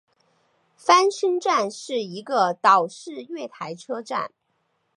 翻身站是一个岛式月台车站。